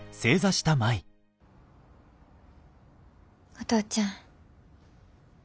お父ちゃん。